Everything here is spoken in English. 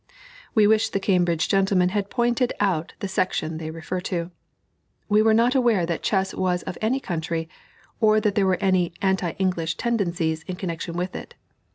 We wish the Cambridge gentlemen had pointed out the section they refer to. We were not aware that chess was of any country, or that there were any anti English tendencies in connection with it.